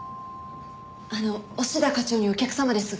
あの押田課長にお客様ですが。